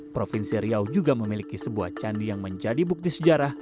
provinsi riau juga memiliki sebuah candi yang menjadi bukti sejarah